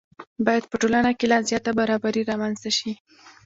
باید په ټولنه کې لا زیاته برابري رامنځته شي.